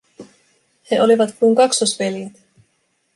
He olivat kuin kaksosveljet.